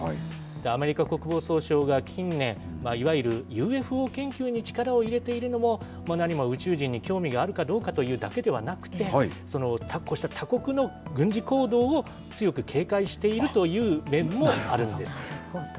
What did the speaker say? アメリカ国防総省が近年、いわゆるＵＦＯ研究に力を入れているのも、何も宇宙人に興味があるかどうかというだけではなくて、他国の軍事行動を強く警戒しているという面もあるんです。